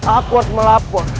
aku harus melapor